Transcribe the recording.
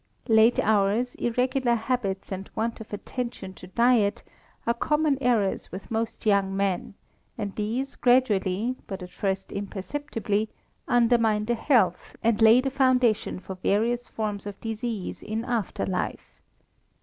Late hours, irregular habits, and want of attention to diet, are common errors with most young men, and these gradually, but at first imperceptibly, undermine the health, and lay the foundation for various forms of disease in after life.